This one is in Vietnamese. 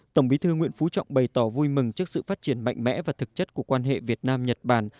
tổng bí thư nguyễn phú trọng bày tỏ vui mừng trước sự phát triển mạnh mẽ và thực chất của quan hệ việt nam nhật bản